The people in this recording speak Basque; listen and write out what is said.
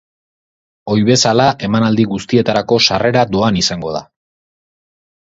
Ohi bezala, emanaldi guztietarako sarrera doan izango da.